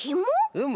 うむ。